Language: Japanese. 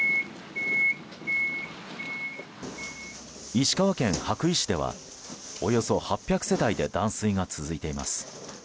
石川県羽咋市ではおよそ８００世帯で断水が続いています。